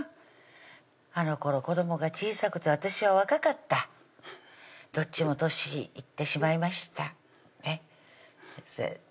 あのころ子どもが小さくて私は若かったどっちも年いってしまいました先生